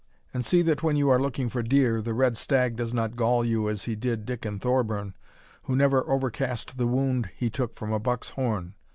And see that, when you are looking for deer, the red stag does not gall you as he did Diccon Thorburn, who never overcast the wound that he took from a buck's horn.